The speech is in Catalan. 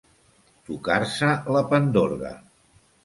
Tocar-se la pandorga.